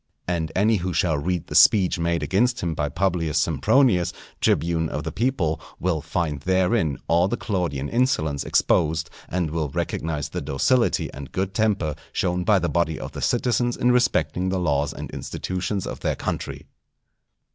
And any who shall read the speech made against him by Publius Sempronius, tribune of the people, will find therein all the Claudian insolence exposed, and will recognize the docility and good temper shown by the body of the citizens in respecting the laws and institutions of their country.